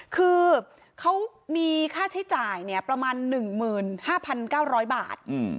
คือมีข้าช่ายจ่ายประมาณ๑หมื่น๕๙๐๐บาท